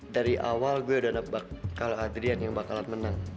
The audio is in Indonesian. dari awal gue udah nebak kalau adrian yang bakalan menang